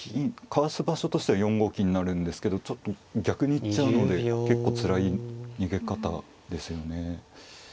かわす場所としては４五金になるんですけどちょっと逆に行っちゃうので結構つらい逃げ方ですよね。